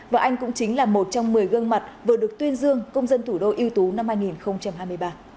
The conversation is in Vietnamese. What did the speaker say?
và anh cũng chính là một trong một mươi gương mặt vừa được tuyên dương công dân thủ đô yêu tú năm hai nghìn hai mươi ba